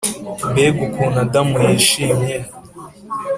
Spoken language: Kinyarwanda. mbega ukuntu adamu yishimye!